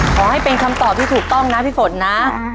ขอให้เป็นคำตอบที่ถูกต้องนะพี่ฝนนะ